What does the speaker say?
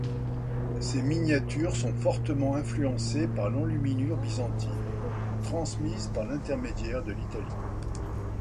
Ces miniatures sont fortement influencées par l'enluminure byzantine, transmise par l'intermédiaire de l'Italie.